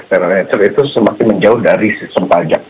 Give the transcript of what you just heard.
cara nature itu semakin menjauh dari sistem pajak